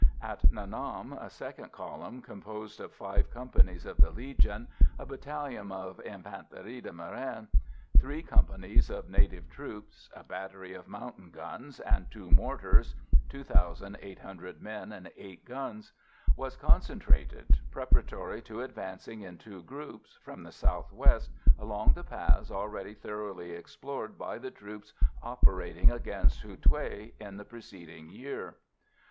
At Nha Nam a second column, composed of five companies of the Legion, a battalion of Infanterie de Marine, three companies of native troops, a battery of mountain guns and two mortars (two thousand eight hundred men and eight guns), was concentrated, preparatory to advancing in two groups, from the south west, along the paths already thoroughly explored by the troops operating against Hou Thué in the preceding year.